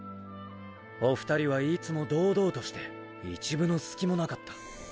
お２人はいつも堂々として一分の隙もなかった。